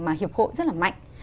mà hiệp hội rất là mạnh